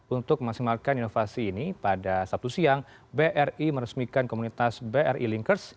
untuk memaksimalkan inovasi ini pada sabtu siang bri meresmikan komunitas bri linkers